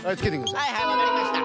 はいはいわかりました。